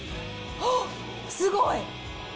あっ、すごい。